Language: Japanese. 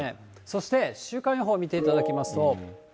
そして、週間予報見ていただきますと。